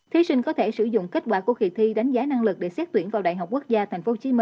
thí sinh có thể sử dụng kết quả của kỳ thi đánh giá năng lực để xét tuyển vào đại học quốc gia tp hcm